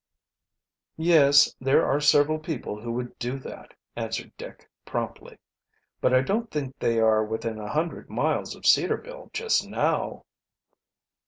"Yes, there are several people who would do that," answered Dick promptly. "But I don't think they are within a hundred miles of Cedarville just now."